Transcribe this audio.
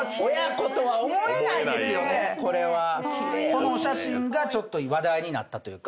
このお写真がちょっと話題になったというか。